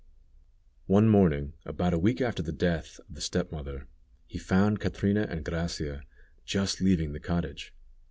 One morning, about a week after the death of the step mother, he found Catrina and Gracia just leaving the cottage.